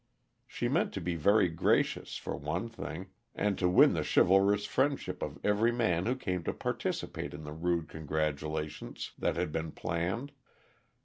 She meant to be very gracious, for one thing, and to win the chivalrous friendship of every man who came to participate in the rude congratulations that had been planned.